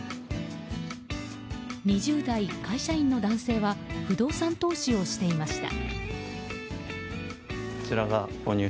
２０代会社員の男性は不動産投資をしていました。